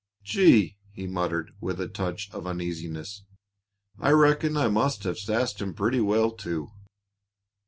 "Gee!" he muttered, with a touch of uneasiness; "I reckon I must have sassed him pretty well, too!"